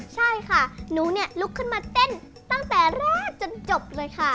ใช่ค่ะหนูเนี่ยลุกขึ้นมาเต้นตั้งแต่แรกจนจบเลยค่ะ